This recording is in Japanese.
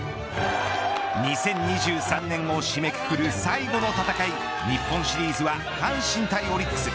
２０２３年を締めくくる最後の戦い、日本シリーズは阪神対オリックス。